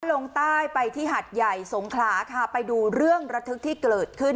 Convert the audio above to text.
ลงใต้ไปที่หัดใหญ่สงขลาค่ะไปดูเรื่องระทึกที่เกิดขึ้น